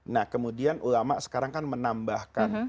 nah kemudian ulama sekarang kan menambahkan